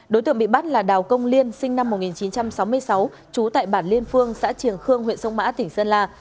đối tượng bị bắt là đào công liên sinh năm một nghìn chín trăm sáu mươi sáu trú tại bản liên phương xã triềng khương huyện sông mã tỉnh sơn la